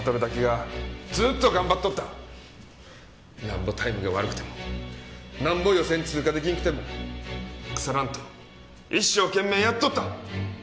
なんぼタイムが悪くてもなんぼ予選通過出来んくても腐らんと一生懸命やっとった。